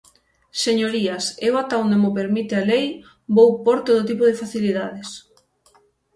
Señorías, eu ata onde mo permite a lei vou pór todo tipo de facilidades.